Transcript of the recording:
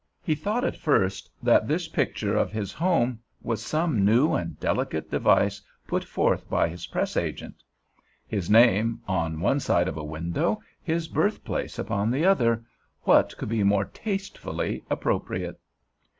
He thought at first that this picture of his home was some new and delicate device put forth by his press agent. His name on one side of a window, his birthplace upon the other—what could be more tastefully appropriate?